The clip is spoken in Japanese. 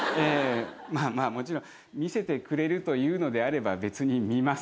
まあもちろん見せてくれるというのであれば別に見ますけど。